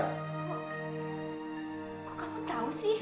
kok kamu tau sih